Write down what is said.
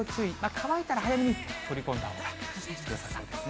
乾いたら早めに取り込んだほうがよさそうですね。